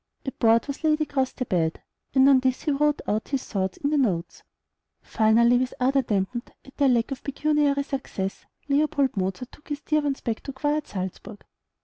A board was laid across the bed, and on this he wrote out his thoughts in the notes. Finally, with ardor dampened at their lack of pecuniary success, Leopold Mozart took his dear ones back to quiet Salzburg.